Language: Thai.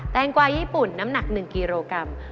แงกวาญี่ปุ่นน้ำหนัก๑กิโลกรัม